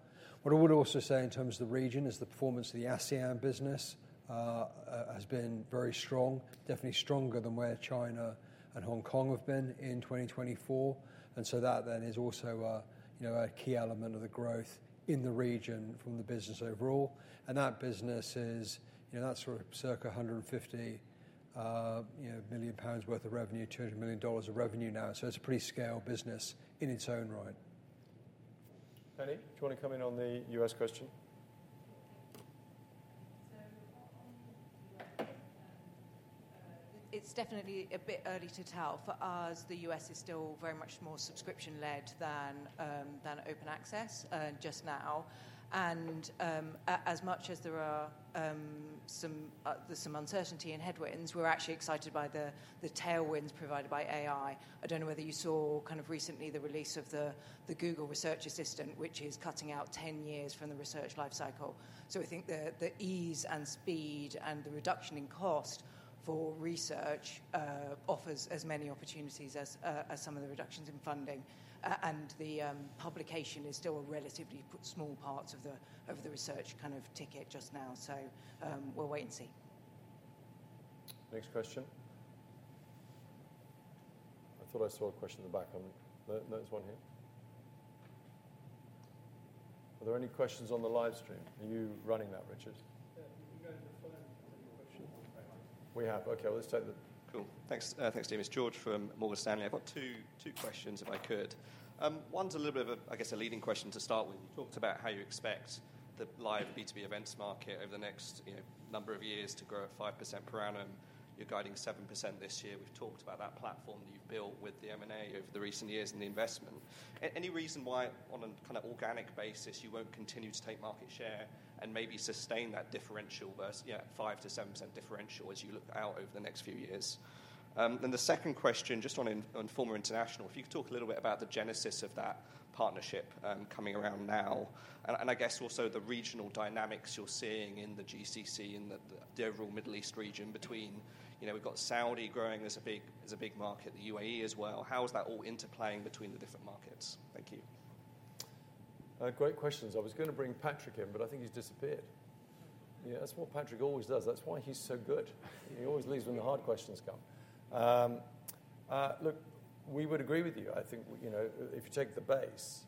What I would also say in terms of the region is the performance of the ASEAN business has been very strong, definitely stronger than where China and Hong Kong have been in 2024. And so that then is also, you know, a key element of the growth in the region from the business overall. And that business is, you know, that's sort of circa 150 million pounds worth of revenue, $200 million of revenue now. So it's a pretty scale business in its own right. Penny, do you wanna come in on the U.S. question? Okay. So on the, it's definitely a bit early to tell. For us, the U.S. is still very much more subscription-led than open access, just now. And, as much as there are some, there's some uncertainty in headwinds, we're actually excited by the tailwinds provided by AI. I don't know whether you saw kind of recently the release of the Google research assistant, which is cutting out 10 years from the research lifecycle. So I think the ease and speed and the reduction in cost for research offers as many opportunities as some of the reductions in funding, and the publication is still a relatively small part of the research kind of ticket just now. So we'll wait and see. Next question. I thought I saw a question in the back. No, no, it's one here. Are there any questions on the live stream? Are you running that, Richard? Yeah, you can go to the phone. Any questions? We have. Okay. Well, let's take it. Cool. Thanks. Thanks. It's George from Morgan Stanley. I've got two questions if I could. One's a little bit of, I guess, a leading question to start with. You talked about how you expect the live B2B events market over the next, you know, number of years to grow at 5% per annum. You're guiding 7% this year. We've talked about that platform that you've built with the M&A over the recent years and the investment. Any reason why on a kind of organic basis you won't continue to take market share and maybe sustain that differential versus, yeah, 5%-7% differential as you look out over the next few years? Then the second question, just on, on Informa International, if you could talk a little bit about the genesis of that partnership, coming around now. And, and I guess also the regional dynamics you're seeing in the GCC, in the overall Middle East region between, you know, we've got Saudi growing as a big market, the U.A.E. as well. How is that all interplaying between the different markets? Thank you. Great questions. I was gonna bring Patrick in, but I think he's disappeared. Yeah, that's what Patrick always does. That's why he's so good. He always leaves when the hard questions come. Look, we would agree with you. I think, you know, if you take the base,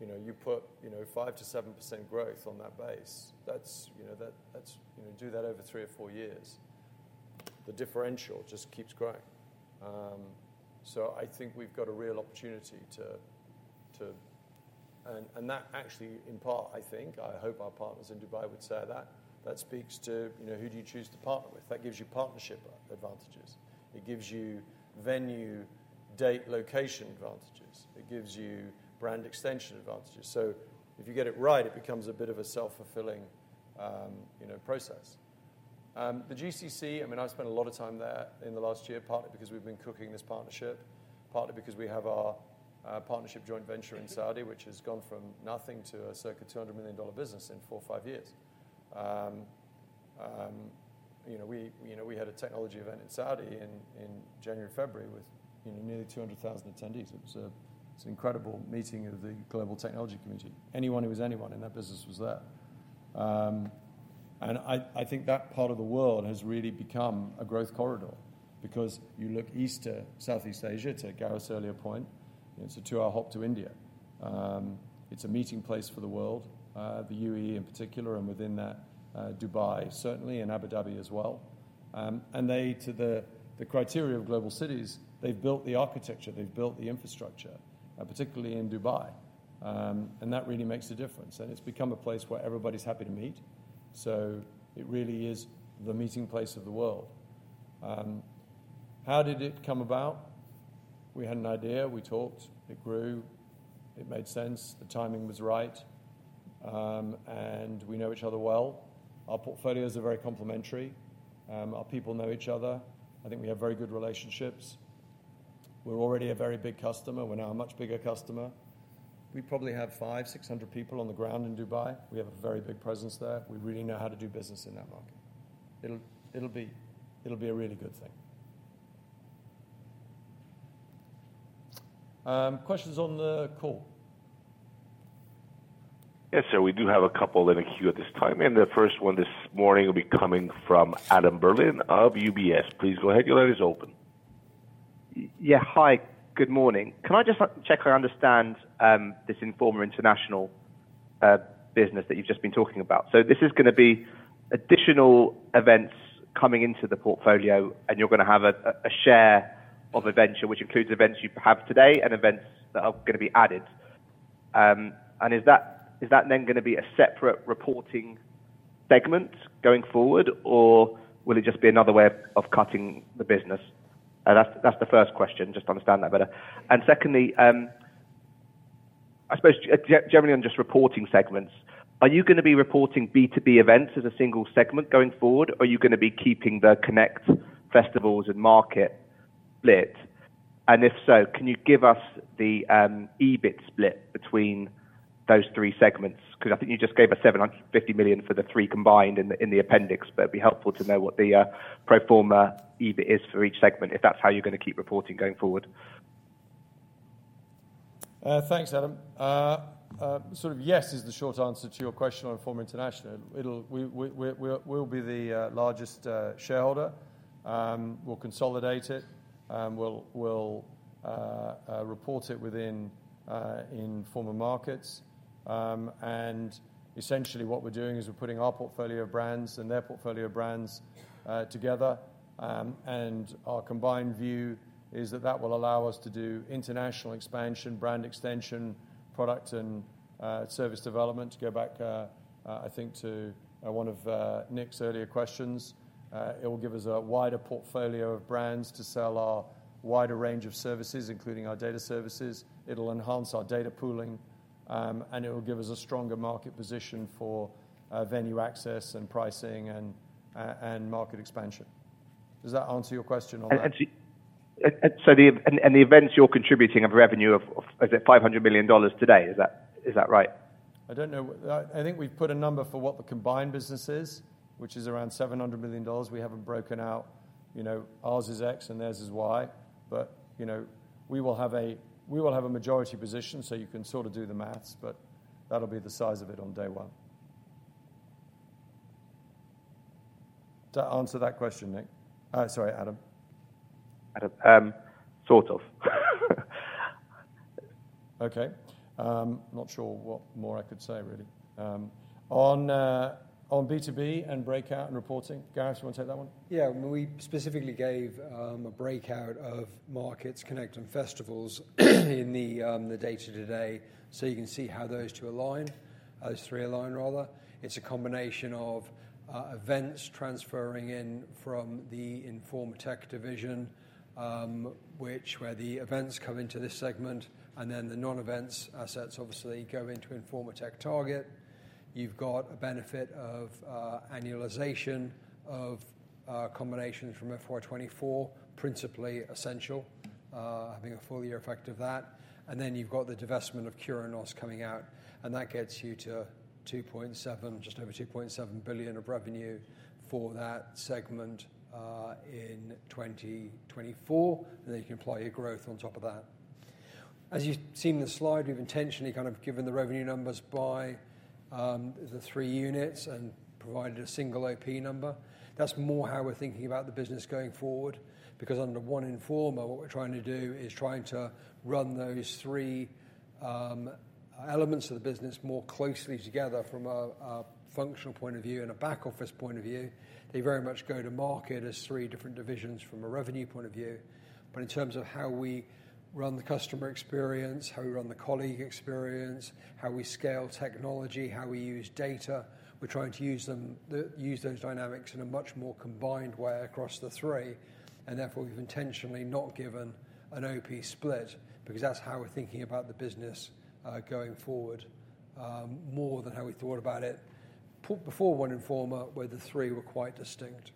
you know, you put, you know, 5%-7% growth on that base, that's, you know, that's, you know, do that over three or four years, the differential just keeps growing. So I think we've got a real opportunity to, and that actually in part, I think, I hope our partners in Dubai would say that, that speaks to, you know, who do you choose to partner with. That gives you partnership advantages. It gives you venue, date, location advantages. It gives you brand extension advantages. So if you get it right, it becomes a bit of a self-fulfilling, you know, process. The GCC, I mean, I've spent a lot of time there in the last year, partly because we've been cooking this partnership, partly because we have our partnership joint venture in Saudi, which has gone from nothing to a circa $200 million business in four or five years. You know, we had a technology event in Saudi in January and February with, you know, nearly 200,000 attendees. It was, it's an incredible meeting of the global technology community. Anyone who was anyone in that business was there, and I think that part of the world has really become a growth corridor because you look east to Southeast Asia, to Gareth's earlier point, you know, it's a two-hour hop to India. It's a meeting place for the world, the UAE in particular, and within that, Dubai certainly, and Abu Dhabi as well. They to the criteria of global cities, they've built the architecture, they've built the infrastructure, particularly in Dubai. That really makes a difference. It's become a place where everybody's happy to meet. So it really is the meeting place of the world. How did it come about? We had an idea, we talked, it grew, it made sense, the timing was right. We know each other well. Our portfolios are very complementary. Our people know each other. I think we have very good relationships. We're already a very big customer. We're now a much bigger customer. We probably have five, six hundred people on the ground in Dubai. We have a very big presence there. We really know how to do business in that market. It'll be a really good thing. Questions on the call? Yes. So we do have a couple in a queue at this time. And the first one this morning will be coming from Adam Berlin of UBS. Please go ahead. Your line is open. Yeah. Hi. Good morning. Can I just check I understand this Informa International business that you've just been talking about? So this is gonna be additional events coming into the portfolio, and you're gonna have a share of the new entity, which includes events you have today and events that are gonna be added, and is that then gonna be a separate reporting segment going forward, or will it just be another way of cutting the business? That's the first question. Just to understand that better. Secondly, I suppose generally on just reporting segments, are you gonna be reporting B2B events as a single segment going forward? Are you gonna be keeping the Connect, Festivals and Market split? And if so, can you give us the EBIT split between those three segments? 'Cause I think you just gave us 750 million for the three combined in the appendix, but it'd be helpful to know what the pro forma EBIT is for each segment, if that's how you're gonna keep reporting going forward. Thanks, Adam. Sort of yes is the short answer to your question on Informa International. We'll be the largest shareholder. We'll consolidate it. We'll report it within Informa Markets. And essentially what we're doing is we're putting our portfolio of brands and their portfolio of brands together. And our combined view is that that will allow us to do international expansion, brand extension, product and service development. To go back, I think, to one of Nick's earlier questions, it'll give us a wider portfolio of brands to sell our wider range of services, including our data services. It'll enhance our data pooling, and it'll give us a stronger market position for venue access and pricing and market expansion. Does that answer your question? And so the events you're contributing of revenue of $500 million today? Is that right? I don't know. I think we've put a number for what the combined business is, which is around $700 million. We haven't broken out, you know, ours is X and theirs is Y. You know, we will have a, we will have a majority position, so you can sort of do the math, but that'll be the size of it on day one. Does that answer that question, Nick? Sorry, Adam. Sort of. Okay. Not sure what more I could say, really. On, on B2B and breakout and reporting, Gareth, do you wanna take that one? Yeah. We specifically gave a breakout of Markets, Connect, and Festivals in the data today. So you can see how those two align, those three align, rather. It's a combination of events transferring in from the Informa Tech division, which where the events come into this segment, and then the non-events assets obviously go into Informa TechTarget. You've got a benefit of annualization of combinations from FY24, principally Ascential, having a full year effect of that. And then you've got the divestment of Curinos coming out, and that gets you to 2.7 billion, just over 2.7 billion of revenue for that segment, in 2024. And then you can apply your growth on top of that. As you've seen in the slide, we've intentionally kind of given the revenue numbers by the three units and provided a single OP number. That's more how we're thinking about the business going forward, because under One Informa, what we're trying to do is run those three elements of the business more closely together from a functional point of view and a back office point of view. They very much go to market as three different divisions from a revenue point of view. But in terms of how we run the customer experience, how we run the colleague experience, how we scale technology, how we use data, we're trying to use them, use those dynamics in a much more combined way across the three. And therefore, we've intentionally not given an OP split because that's how we're thinking about the business, going forward, more than how we thought about it before, when Informa were quite distinct.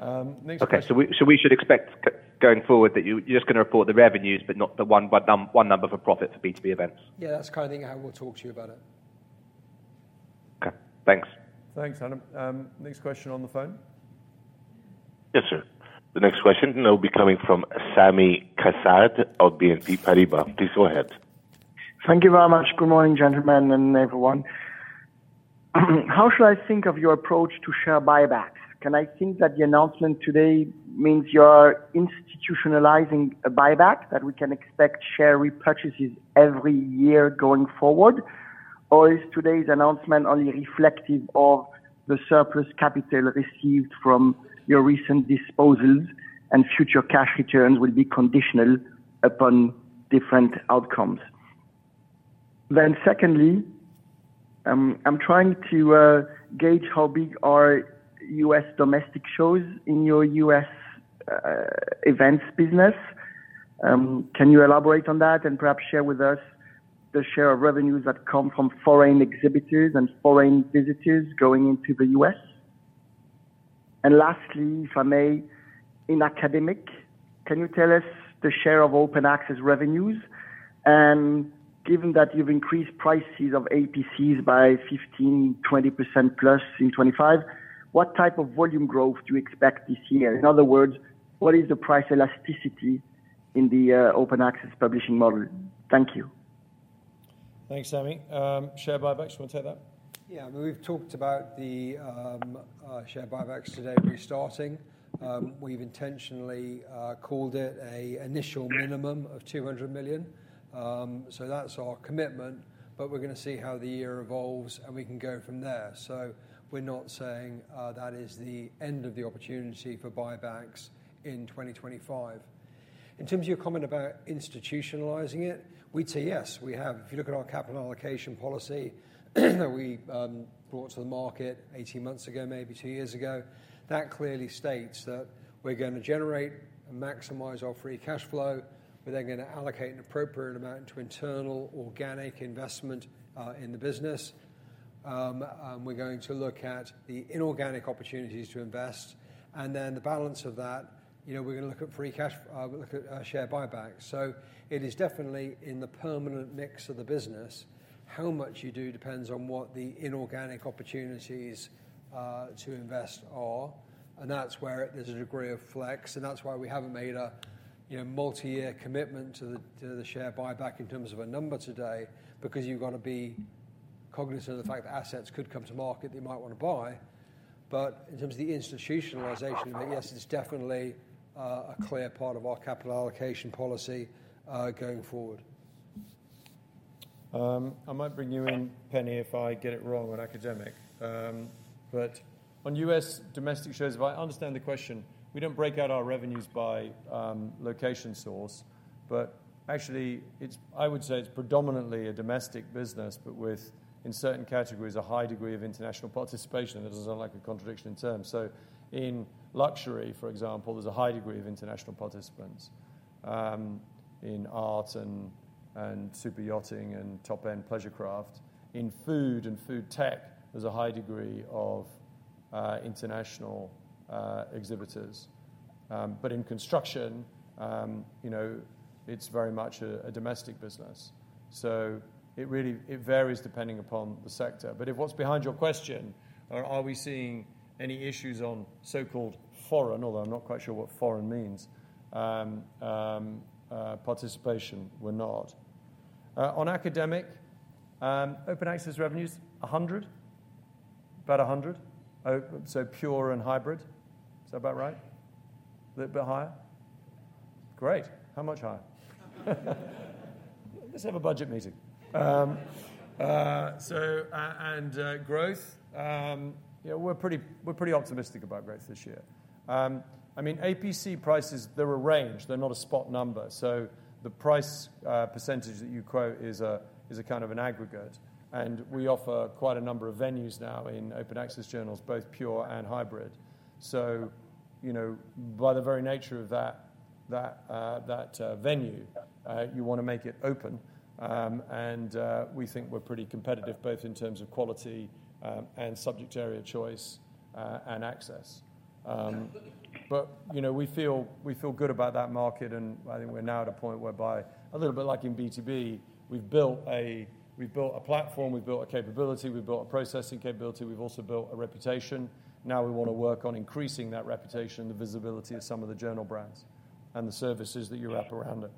Next question. Okay. So we, so we should expect going forward that you're just gonna report the revenues, but not the one, one number, one number for profit for B2B events. Yeah. That's kind of the thing how we'll talk to you about it. Okay. Thanks. Thanks, Adam. Next question on the phone. Yes, sir. The next question, and they'll be coming from Sami Kassab of BNP Paribas. Please go ahead. Thank you very much. Good morning, gentlemen and everyone. How should I think of your approach to share buybacks? Can I think that the announcement today means you are institutionalizing a buyback, that we can expect share repurchases every year going forward, or is today's announcement only reflective of the surplus capital received from your recent disposals, and future cash returns will be conditional upon different outcomes? Then secondly, I'm trying to gauge how big are U.S. domestic shows in your U.S. events business. Can you elaborate on that and perhaps share with us the share of revenues that come from foreign exhibitors and foreign visitors going into the U.S.? And lastly, if I may, in academic, can you tell us the share of Open Access revenues? Given that you've increased prices of APCs by 15%-20%+ in 2025, what type of volume growth do you expect this year? In other words, what is the price elasticity in the Open Access publishing model? Thank you. Thanks, Sami. Share buybacks, do you wanna take that? Yeah. I mean, we've talked about the share buybacks today restarting. We've intentionally called it an initial minimum of 200 million. So that's our commitment, but we're gonna see how the year evolves and we can go from there. So we're not saying that is the end of the opportunity for buybacks in 2025. In terms of your comment about institutionalizing it, we'd say yes, we have. If you look at our capital allocation policy that we brought to the market 18 months ago, maybe two years ago, that clearly states that we're gonna generate and maximize our free cash flow. We're then gonna allocate an appropriate amount to internal organic investment in the business. We're going to look at the inorganic opportunities to invest. Then the balance of that, you know, we're gonna look at free cash, share buybacks. So it is definitely in the permanent mix of the business. How much you do depends on what the inorganic opportunities to invest are. That's where there's a degree of flex. That's why we haven't made a you know multi-year commitment to the share buyback in terms of a number today, because you've got to be cognizant of the fact that assets could come to market that you might wanna buy. But in terms of the institutionalization, yes, it's definitely a clear part of our capital allocation policy, going forward. I might bring you in, Penny, if I get it wrong on academic. But on U.S. domestic shows, if I understand the question, we don't break out our revenues by location source. But actually, it's, I would say it's predominantly a domestic business, but with in certain categories a high degree of international participation. That doesn't sound like a contradiction in terms. So in luxury, for example, there's a high degree of international participants in art and superyachting and top-end pleasure craft. In food and food tech, there's a high degree of international exhibitors. But in construction, you know, it's very much a domestic business. So it really varies depending upon the sector. But if what's behind your question, are we seeing any issues on so-called foreign, although I'm not quite sure what foreign means, participation, we're not. On academic Open Access revenues, 100, about 100. Oh, so pure and hybrid. Is that about right? A little bit higher? Great. How much higher? Let's have a budget meeting. So, and growth, you know, we're pretty optimistic about growth this year. I mean, APC prices, they're a range. They're not a spot number. So the price percentage that you quote is a kind of an aggregate. And we offer quite a number of venues now in Open Access journals, both pure and hybrid. So, you know, by the very nature of that venue, you wanna make it open. And we think we're pretty competitive both in terms of quality, and subject area choice, and access. But, you know, we feel, we feel good about that market. And I think we're now at a point whereby, a little bit like in B2B, we've built a, we've built a platform, we've built a capability, we've built a processing capability. We've also built a reputation. Now we wanna work on increasing that reputation and the visibility of some of the journal brands and the services that you wrap around it.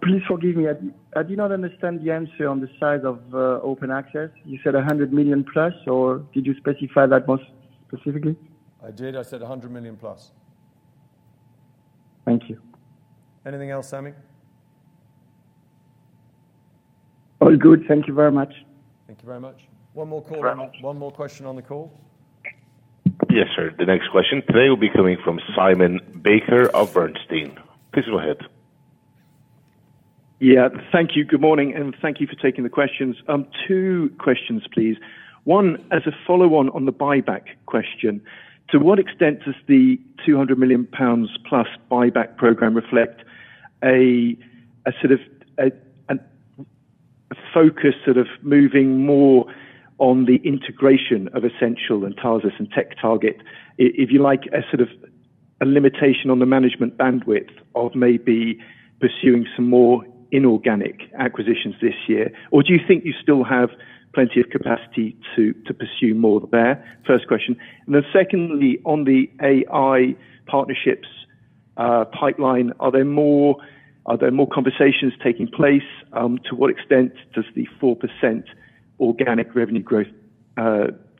Please forgive me. I did not understand the answer on the side of, open access. You said a hundred million plus, or did you specify that most specifically? I did. I said a hundred million plus. Thank you. Anything else, Sami? All good. Thank you very much. Thank you very much. One more call. Very much. One more question on the call. Yes, sir. The next question today will be coming from Simon Baker of Bernstein. Please go ahead. Yeah. Thank you. Good morning, and thank you for taking the questions. Two questions, please. One, as a follow-on on the buyback question, to what extent does the 200 million pounds plus buyback program reflect a, a sort of, a, a focus sort of moving more on the integration of Ascential and Tarsus and TechTarget, if you like, a sort of a limitation on the management bandwidth of maybe pursuing some more inorganic acquisitions this year? Or do you think you still have plenty of capacity to, to pursue more there? First question. And then secondly, on the AI partnerships pipeline, are there more, are there more conversations taking place? To what extent does the 4% organic revenue growth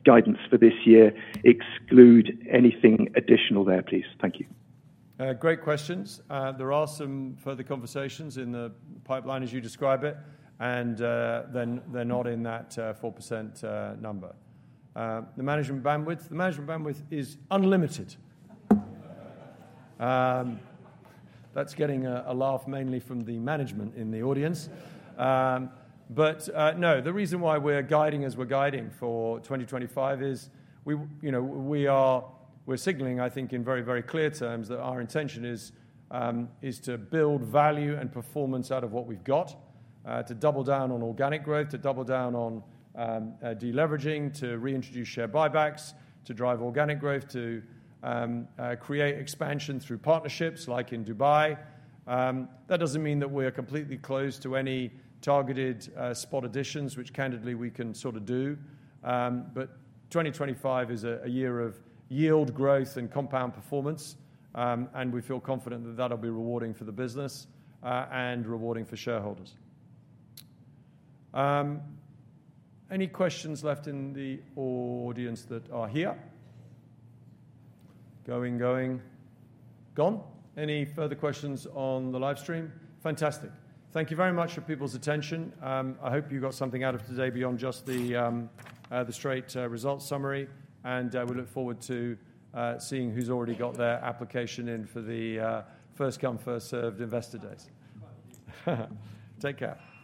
guidance for this year exclude anything additional there, please? Thank you. Great questions. There are some further conversations in the pipeline as you describe it. They're not in that 4% number. The management bandwidth is unlimited. That's getting a laugh mainly from the management in the audience. But no, the reason why we're guiding as we're guiding for 2025 is, you know, we are. We're signaling, I think, in very very clear terms that our intention is to build value and performance out of what we've got, to double down on organic growth, to double down on deleveraging, to reintroduce share buybacks, to drive organic growth, to create expansion through partnerships like in Dubai. That doesn't mean that we are completely closed to any targeted spot additions, which candidly we can sort of do. But 2025 is a year of yield growth and compound performance, and we feel confident that that'll be rewarding for the business and rewarding for shareholders. Any questions left in the audience that are here? Going, going. Gone? Any further questions on the live stream? Fantastic. Thank you very much for people's attention. I hope you got something out of today beyond just the, the straight, results summary. And, we look forward to, seeing who's already got their application in for the, first come, first served investor days. Take care.